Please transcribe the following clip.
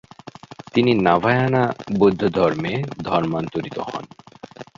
তিনি নাভায়ানা বৌদ্ধ ধর্মে ধর্মান্তরিত হন।